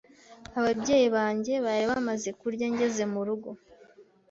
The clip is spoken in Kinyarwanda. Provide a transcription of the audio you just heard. Ababyeyi banjye bari bamaze kurya ngeze murugo.